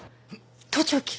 盗聴器！？